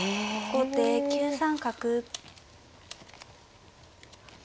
後手９三角。